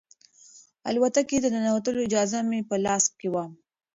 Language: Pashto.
الوتکې ته د ننوتلو اجازه مې په لاس کې وه.